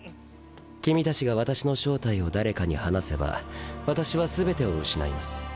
君たちが私の正体を誰かに話せば私は全てを失います。